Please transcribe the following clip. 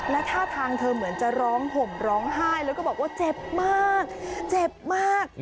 และท่าทางเธอเหมือนจะร้องห่มร้องไห้แล้วก็บอกว่าเจ็บมากเจ็บมาก